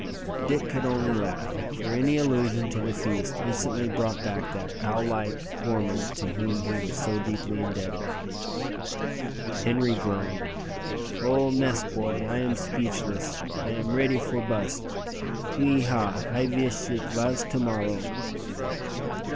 Dick could only laugh, for any allusion to the feast instantly brought back that owl like gourmand to whom he was so deeply indebted. Henri groaned. "Oh! mes boy, I am speechless! I am ready for bust! Oui hah! I veesh it vas to morrow."